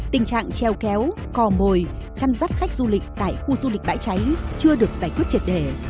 tình trạng treo kéo cò mồi chăn rắt khách du lịch tại khu du lịch bãi cháy chưa được giải quyết triệt đề